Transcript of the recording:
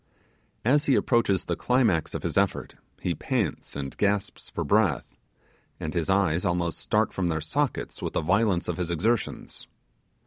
As he approaches the climax of his effort, he pants and gasps for breath, and his eyes almost start from their sockets with the violence of his exertions.